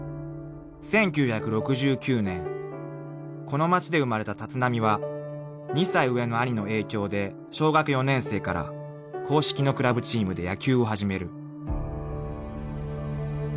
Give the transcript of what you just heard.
この街で生まれた立浪は２歳上の兄の影響で小学４年生から硬式のクラブチームで野球を始める］